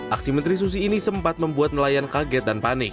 aksi menteri susi ini sempat membuat nelayan kaget dan panik